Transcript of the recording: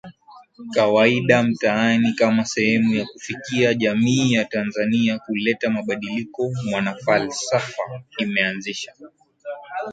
kawaida mtaani Kama sehemu ya kufikia jamii ya Tanzania na kuleta mabadiliko MwanaFalsafa imeanzisha